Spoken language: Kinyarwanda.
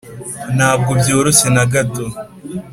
ntabwo byoroshye nagato,